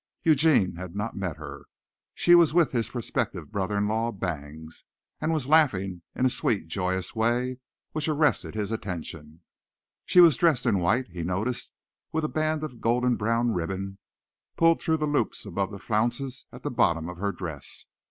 Eugene had not met her. She was with his prospective brother in law, Bangs, and was laughing in a sweet, joyous way which arrested his attention. She was dressed in white, he noticed, with a band of golden brown ribbon pulled through the loops above the flounces at the bottom of her dress.